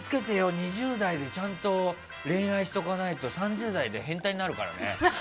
２０代で、ちゃんと恋愛しておかないと３０代で変態になるからね。